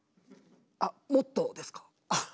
あっもっとですか？